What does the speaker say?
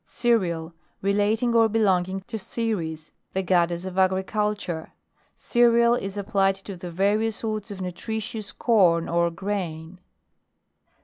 CEREAL. Relating or belonging to Ceres, the goddess of agriculture Cereal is applied to the various sort of nutritious corn or grain.